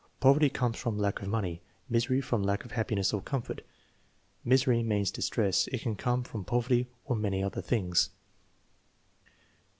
"Poverty comes from lack of money; misery, from lack of happiness or comfort." "Misery means distress. It can come from poverty or many other things."